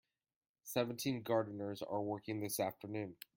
Seventeen gardeners are working this afternoon.